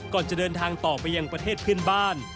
ก่อนจะเดินทางต่อไปยังประเทศเพื่อนบ้าน